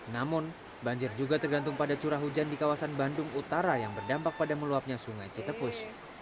namun banjir juga tergantung pada curah hujan di kawasan bandung utara yang berdampak pada meluapnya sungai cetepus